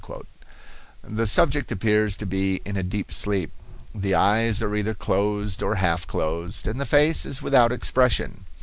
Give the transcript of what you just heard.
The subject appears to be in a deep sleep, the eyes are either closed or half closed, and the face is without expression.